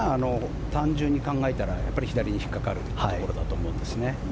単純に考えたら左に引っかかるというところだと思いますね。